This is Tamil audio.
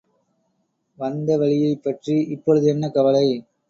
வந்த வழியைப் பற்றி இப்பொழுது என்ன கவலை?